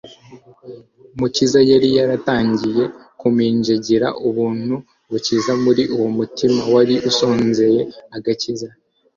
Umukiza yari yaratangiye kuminjagira ubuntu bukiza muri uwo mutima wari usonzeye agakiza.